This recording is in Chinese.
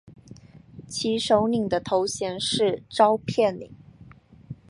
其首领的头衔是召片领。